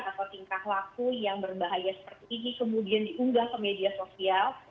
atau tingkah laku yang berbahaya seperti ini kemudian diunggah ke media sosial